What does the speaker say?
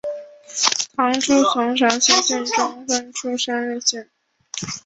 唐初从长清县中分出山荏县。